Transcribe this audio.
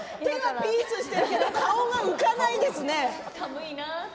手はピースしてるけど顔は浮かないですね。